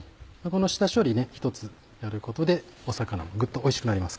この下処理一つやることで魚もグッとおいしくなりますから。